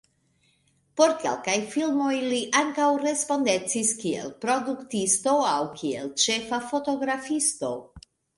Por kelkaj filmoj li ankaŭ respondecis kiel produktisto aŭ kiel ĉefa fotografisto.